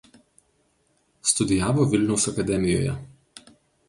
Studijavo Vilniaus akademijoje.